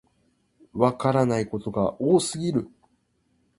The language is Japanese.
わからないことが多すぎる